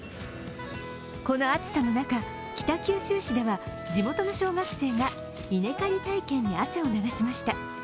この暑さの中、北九州市では地元の小学生が稲刈り体験に汗を流しました。